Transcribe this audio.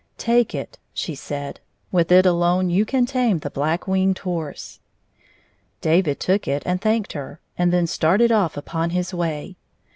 " Take it," she said ;" with it alone you can tame the Black Winged Horse." David took it and thanked her, and then started off upon his way.